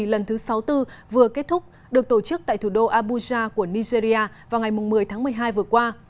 lần thứ sáu mươi bốn vừa kết thúc được tổ chức tại thủ đô abuja của nigeria vào ngày một mươi tháng một mươi hai vừa qua